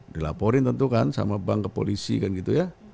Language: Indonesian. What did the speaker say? dilaporin tentu kan sama bank ke polisi kan gitu ya